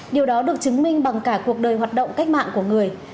điều đó được chứng minh bằng cả cuộc đời hoạt động cách mạng của người